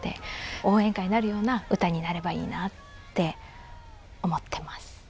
応援歌になるような歌になればいいなって思ってます。